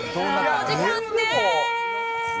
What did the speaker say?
お時間です。